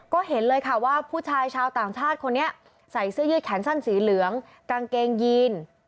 ก็เห็นเลยค่ะว่าผู้ชายชาวต่างชาติคนนี้ใส่เสื้อยืดแขนสั้นสีเหลืองกางเกงยีน